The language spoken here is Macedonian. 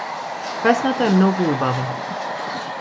Песната е многу убава.